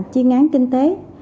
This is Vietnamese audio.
chuyên án kinh tế